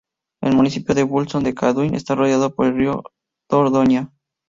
El municipio de Buisson-de-Cadouin está rodeado por el río Dordoña.